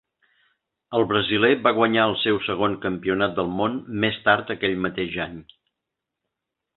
El brasiler va guanyar el seu segon Campionat del Món més tard aquell mateix any.